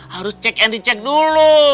harus cek anti cek dulu